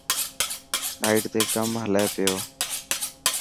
سائٽ تي ڪم هلي پيو.